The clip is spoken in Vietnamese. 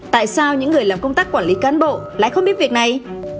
tại sao những người làm công tác quản lý cán bộ lại không biết việc này